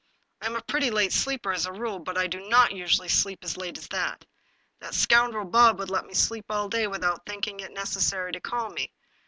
I am a pretty late sleeper as a rule, but I do not usually sleep as late as that. That scoundrel Bob would let me sleep all day without thinking it neces 252 The Puzzle sary to call me.